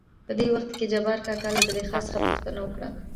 .په دې وخت کې جبارکاکا له زليخا څخه پوښتنه وکړ.